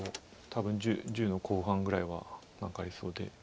多分１０の後半ぐらいは何かありそうで。